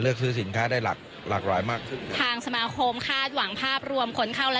เลือกซื้อสินค้าได้หลักหลากหลายมากครับทางสมาคมคาดหวังภาพรวมขนเข้าและ